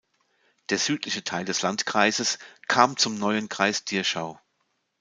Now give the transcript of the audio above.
Der südliche Teil des Landkreises kam zum neuen Kreis Dirschau.